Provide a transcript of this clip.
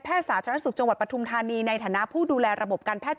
สาธารณสุขจังหวัดปทุมธานีในฐานะผู้ดูแลระบบการแพทย์